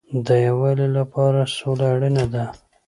د یووالي لپاره سوله اړین ده